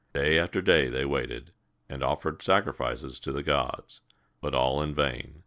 Day after day they waited, and offered sacrifices to the gods, but all in vain.